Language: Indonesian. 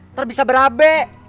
ntar bisa berabe